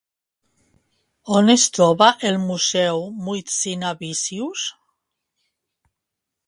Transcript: On es troba el Museu Žmuidzinavičius?